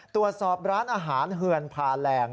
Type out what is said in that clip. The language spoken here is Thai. ตรวจสอบร้านอาหารเฮือนพาแหล่ง